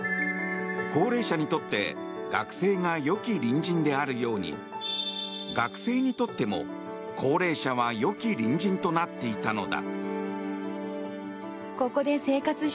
高齢者にとって学生が良き隣人であるように学生にとっても高齢者は良き隣人となっていたのだ。